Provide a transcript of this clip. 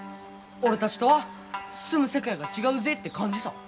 俺たちとは住む世界が違うぜって感じさ。